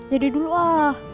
ya deh dulu ah